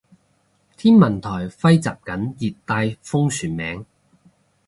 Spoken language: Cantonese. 天文台徵集緊熱帶風旋名